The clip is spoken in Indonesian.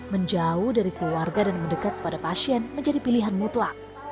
menjauh dari keluarga dan mendekat kepada pasien menjadi pilihan mutlak